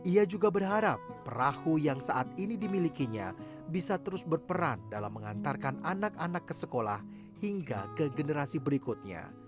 ia juga berharap perahu yang saat ini dimilikinya bisa terus berperan dalam mengantarkan anak anak ke sekolah hingga ke generasi berikutnya